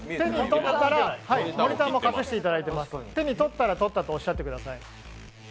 手に取ったら、取ったとおっしゃってください。